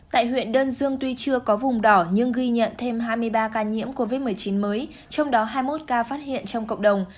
tại huyện đơn dương tuy chưa có vùng đỏ nhưng ghi nhận thêm hai mươi ba ca nhiễm covid một mươi chín mới trong đó hai mươi một ca phát hiện trong cộng đồng